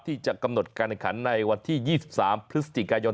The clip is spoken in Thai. ที่จะกำหนดการแข่งขันในวันที่๒๓พฤศจิกายน